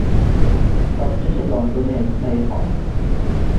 সবশেষে লন্ডনে স্থায়ী হন।